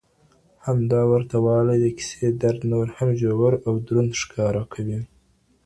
همدا ورته والی د کيسې درد نور هم ژور او دروند ښکاره کوي.